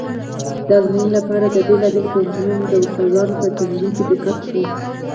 د ازموینې لپاره د بېلابېلو پوهنتونونو د استادانو په تنظیم کې دقت شوی و.